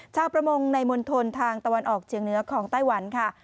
ชาวประมงในมณฑลทางตะวันออกเชียงเหนือของไต้หวันค่ะ